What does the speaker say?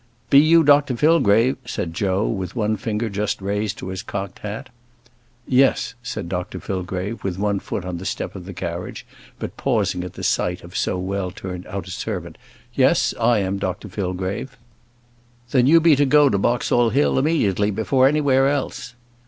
"Be you Dr Fillgrave?" said Joe, with one finger just raised to his cocked hat. "Yes," said Dr Fillgrave, with one foot on the step of the carriage, but pausing at the sight of so well turned out a servant. "Yes; I am Dr Fillgrave." "Then you be to go to Boxall Hill immediately; before anywhere else."